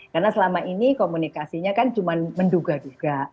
karena selama ini komunikasinya kan cuma menduga duga